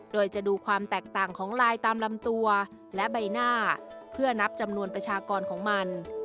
โดยจะดูความแตกต่างของลายตามลำตัวและใบหน้าเพื่อนับจำนวนประชากรของมัน